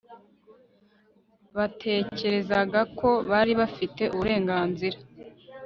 batekerezaga ko bari bafite uburenganzira